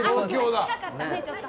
近かったね、ちょっと。